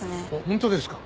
本当ですか？